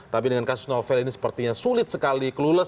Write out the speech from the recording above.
tapi dengan kasus novel ini sepertinya sulit sekali kelulus